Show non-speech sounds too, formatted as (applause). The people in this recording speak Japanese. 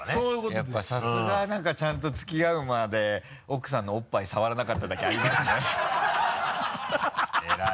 やっぱさすが何かちゃんと付き合うまで奥さんのおっぱい触らなかっただけありますね (laughs)